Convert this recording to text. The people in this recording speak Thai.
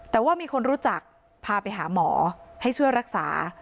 แต่ว่ามีคนรู้จักพาไปหาหมอให้ช่วยรักษา